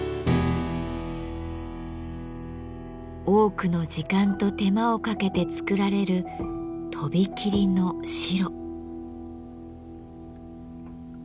多くの時間と手間をかけて作られるとびきりの白。